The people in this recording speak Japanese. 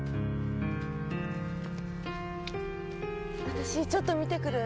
私ちょっと見てくる。